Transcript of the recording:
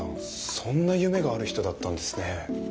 そんな夢がある人だったんですねえ。